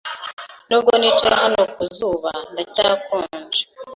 Nubwo nicaye hano ku zuba, ndacyakonje.